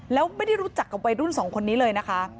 แล้วไม่ได้รู้จักกับวัยรุ่นสองคนนี้เลยนะคะ